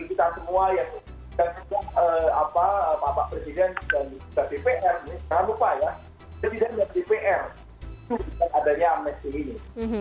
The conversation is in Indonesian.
itu adalah adanya amnesti ini